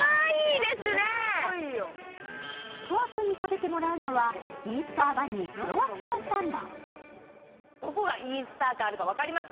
斗亜君に食べてもらうのはイースターバニー・クロワッサンサンド。